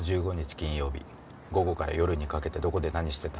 金曜日午後から夜にかけてどこで何してた？